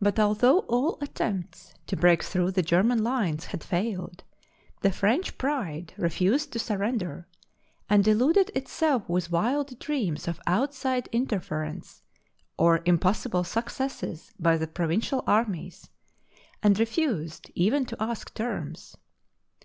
But although all attempts to break through the German lines had failed, the French pride re fused to surrender, and deluded itself with wild dreams of outside interference or impossible suc cesses by the provincial armies, and refused even to ask terms.